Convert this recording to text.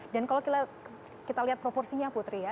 dan kalau kita lihat proporsinya putri ya